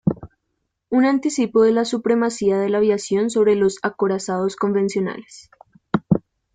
Un anticipo de la supremacía de la aviación sobre los acorazados convencionales.